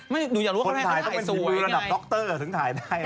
คนถ่ายต้องเป็นพิวราดับด๊อกเตอร์ถึงถ่ายได้